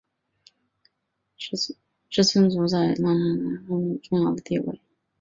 志村簇在郎兰兹纲领扮演重要地位。